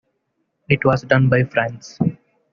It was done by France.